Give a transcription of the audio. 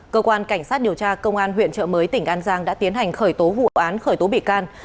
cơ quan cảnh sát điều tra công an huyện trợ mới tỉnh an giang đã tiến hành khởi tố vụ án khởi tố bị can